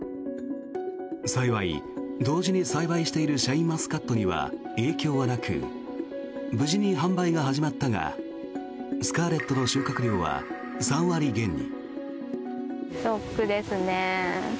幸い、同時に栽培しているシャインマスカットには影響はなく無事に販売が始まったがスカーレットの収穫量は３割減に。